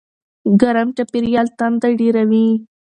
ګرم چاپېریال تنده ډېروي.